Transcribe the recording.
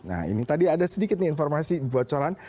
nah ini tadi ada sedikit nih informasi buat colan